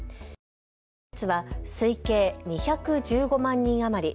先月は推計２１５万人余り。